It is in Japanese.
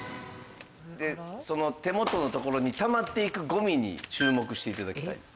でその手元のところにたまっていくゴミに注目して頂きたいです。